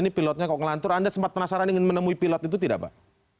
ini pilotnya kok ngelantur anda sempat penasaran ingin menemui pilot itu tidak pak